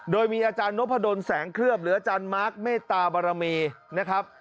โดยมีอาจารย์นพดลแสงเคลือบหรืออาจารย์มาร์คเมตตาบารมีนะครับ